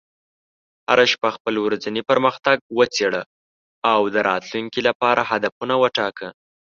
هره شپه خپل ورځنی پرمختګ وڅېړه، او د راتلونکي لپاره هدفونه وټاکه.